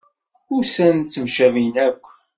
Ussan temcabin akk.